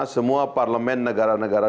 semua parlemen negara negara